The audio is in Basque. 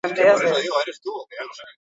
Beste hiru postuetarako lehia polita biziko da.